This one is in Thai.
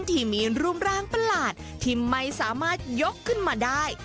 ที่มีรูปร่างประหลาดที่ไม่สามารถยกขึ้นมาได้